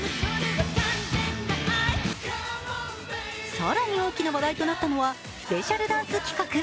更に大きな話題となったのはスペシャルダンス企画。